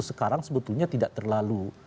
sekarang sebetulnya tidak terlalu